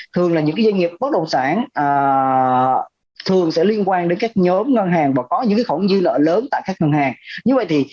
thường là những doanh nghiệp bất đồng sản thường sẽ liên quan đến các nhóm ngân hàng và có những khổng dư lợi lớn tại các ngân hàng